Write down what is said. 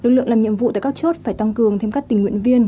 lực lượng làm nhiệm vụ tại các chốt phải tăng cường thêm các tình nguyện viên